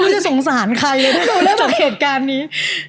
ไม่รู้จะสงสารใครเลยจากเหตุการณ์นี้